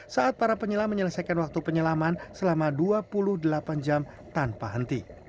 saat para penyelam menyelesaikan waktu penyelaman selama dua puluh delapan jam tanpa henti